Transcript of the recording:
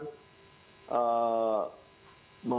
jadi komisaris inilah yang akan